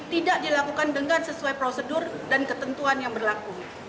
tidak dilakukan dengan sesuai prosedur dan ketentuan yang berlaku